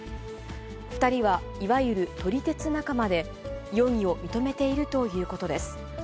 ２人は、いわゆる撮り鉄仲間で、容疑を認めているということです。